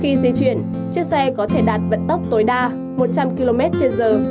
khi di chuyển chiếc xe có thể đạt vận tốc tối đa một trăm linh km trên giờ